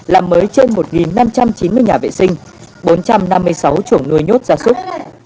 làm mới trên một năm trăm chín mươi nhà vệ sinh bốn trăm năm mươi sáu chuồng nuôi nhốt gia súc